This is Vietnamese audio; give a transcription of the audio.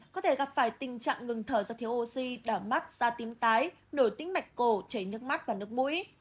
có thể gặp phải tình trạng ngừng thở do thiếu oxy đỏ mắt da tím tái nổi tính mạch cổ chảy nước mắt và nước mũi